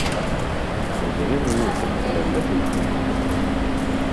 Tegnem yiwet n tnafa tukim-d.